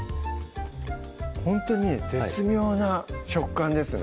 ほんとに絶妙な食感ですね